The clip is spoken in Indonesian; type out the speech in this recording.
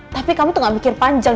tapi kamu tuh gak mikir panjang